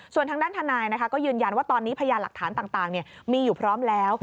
ส่วนทางด้านทนายก็ยืนยันว่าตอนนี้พยานหลักฐานต่างมีอยู่พร้อมแล้ว